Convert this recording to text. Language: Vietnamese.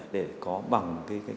để có bằng